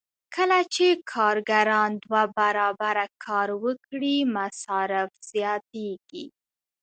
کله چې کارګران دوه برابره کار وکړي مصارف زیاتېږي